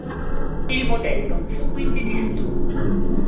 Il modello fu quindi distrutto.